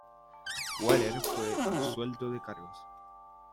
Waller fue absuelto de cargos.